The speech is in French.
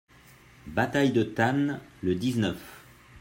Bataille de Tann, le dix-neuf.